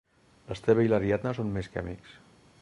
L'Esteve i l'Ariadna són més que amics.